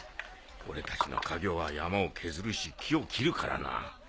俺たちの稼業は山を削るし木を切るからな。